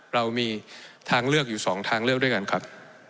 เรามีทางเลือกอยู่๒ทางเลือกด้วยกันครับ